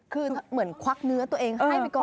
คือเหมือนควักเนื้อตัวเองให้ไปก่อน